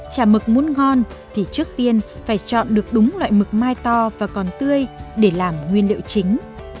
chả mực muốn ngon thì trước tiên phải chọn được đúng loại mực mai to và còn tươi để làm nguyên liệu chính